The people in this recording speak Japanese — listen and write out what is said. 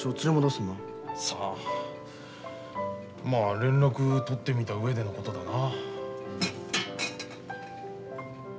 まあ連絡取ってみた上でのことだな。